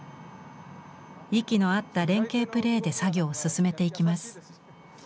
息の合った連携プレーで作業を進めていきます。